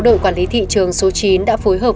đội quản lý thị trường số chín đã phối hợp